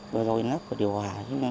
rồi rồi nó có điều hòa